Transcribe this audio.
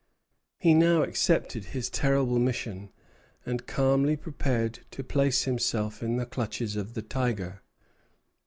He now accepted his terrible mission, and calmly prepared to place himself in the clutches of the tiger.